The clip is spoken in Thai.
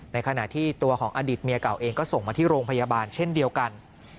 ในขณะที่ตัวของอดีตเมียเก่าเองก็ส่งมาที่โรงพยาบาลเช่นเดียวกัน